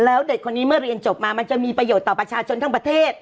แล้วเด็กคนนี้เมื่อเรียนจบมามันจะมีประโยชน์ต่อประชาชนทั้งประเทศ